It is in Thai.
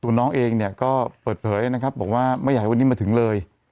น้องเองเนี่ยก็เปิดเผยนะครับบอกว่าไม่อยากให้วันนี้มาถึงเลย